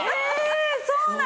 そう。